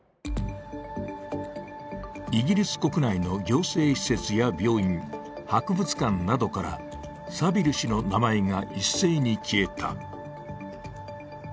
イギリス国内の行政施設や病院、博物館などからサヴィル氏の名前が一斉に消えた。